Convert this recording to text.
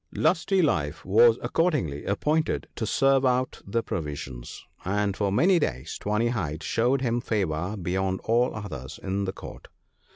" Lusty life was accordingly appointed to serve out the provisions, and for many days Tawny hide showed him favour beyond all others in the Court.